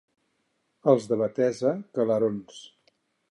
Els de Betesa, calerons.